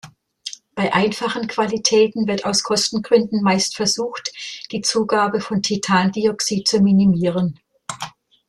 Bei einfachen Qualitäten wird aus Kostengründen meist versucht, die Zugabe von Titandioxid zu minimieren.